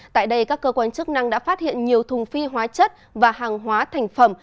tại đây các cơ quan chức năng đã phát hiện nhiều thùng phi hóa chất và hàng hóa thành phẩm